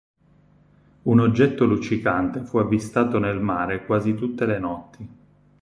Un oggetto luccicante fu avvistato nel mare quasi tutte le notti.